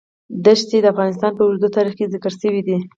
دښتې د افغانستان په اوږده تاریخ کې ذکر شوی دی.